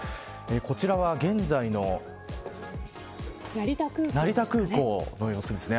こちらは、現在の成田空港の様子ですね。